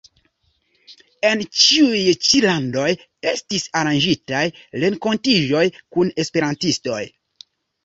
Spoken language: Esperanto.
En ĉiuj ĉi landoj estis aranĝitaj renkontiĝoj kun esperantistoj.